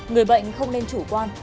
người bệnh không nên chủ quan